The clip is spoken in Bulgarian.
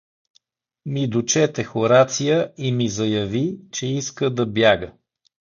ми дочете Хорация и ми заяви, че иска да бяга.